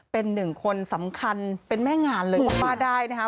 เป็นหนึ่งคนสำคัญเป็นแม่งานเลยก็ว่าได้นะคะ